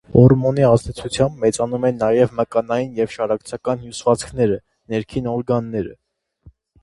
Հորմոնի ազդեցությամբ մեծանում են նաև մկանային և շարակցական հյուսվածքները, ներքին օրգանները։